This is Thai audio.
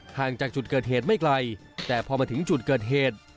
ห่างจากจุดเกิดเหตุไม่ไกลแต่พอมาถึงจุดเกิดเหตุ